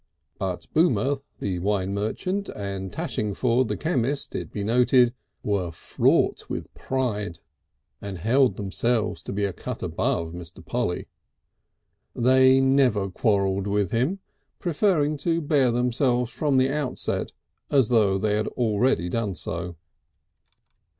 (But Boomer, the wine merchant, and Tashingford, the chemist, be it noted, were fraught with pride, and held themselves to be a cut above Mr. Polly. They never quarrelled with him, preferring to bear themselves from the outset as though they had already done so.)